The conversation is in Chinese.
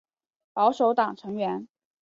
保守党成员。